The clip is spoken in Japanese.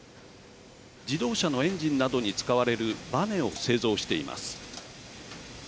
自動車のエンジンなどに使われるバネを製造しています。